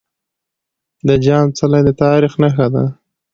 د جام څلی د تاريخ نښه ده.